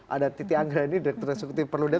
ada titi anggra ini direktur restoratif perludep